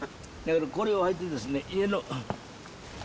これを履いてですね家の。